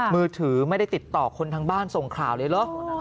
มือถือไม่ได้ติดต่อคนทางบ้านส่งข่าวเลยเหรอ